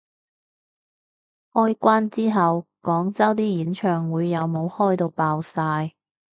開關之後廣州啲演唱會有冇開到爆晒